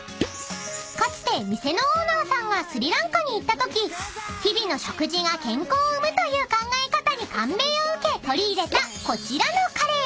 ［かつて店のオーナーさんがスリランカに行ったとき日々の食事が健康を生むという考え方に感銘を受け取り入れたこちらのカレー］